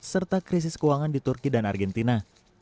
serta krisis keuangan di turki dan argentina